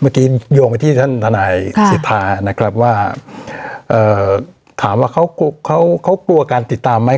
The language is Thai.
เมื่อกี้โยงไปที่ท่านทนายสิทธานะครับว่าถามว่าเขากลัวการติดตามไหม